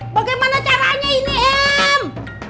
bagaimana caranya ini em